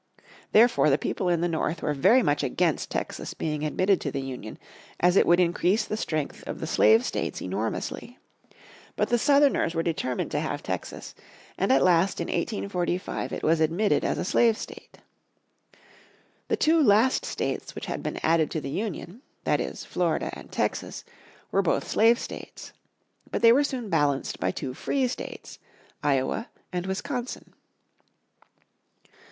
Therefore the people in the North were very much against Texas being admitted to the Union as it would increase the strength of the slave states enormously. But the Southerners were determined to have Texas, and at last in 1845 it was admitted as a slave state. The two last states which had been added to the Union, that it, Florida and Texas, were both slave states. But they were soon balanced by two free states, Iowa and Wisconsin.